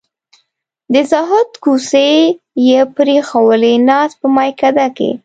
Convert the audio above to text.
د زهد کوڅې یې پرېښوولې ناست په میکده کې